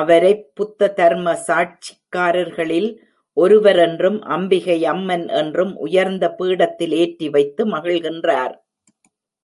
அவரைப் புத்த தர்ம சாட்சியக்காரர்களில் ஒருவரென்றும் அம்பிகை அம்மன் என்றும் உயர்ந்த பீடத்தில் ஏற்றி வைத்து மகிழ்கின்றார்.